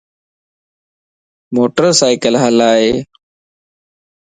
موٽر سائيڪل ھلائي